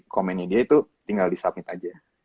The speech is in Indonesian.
komennya dia itu tinggal di submit aja